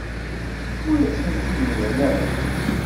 Ur asent-t-id-mlan ara.